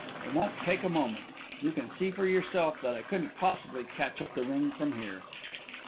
It won't take a moment. You can see for yourself that I couldn't possibly catch up the ring from here!"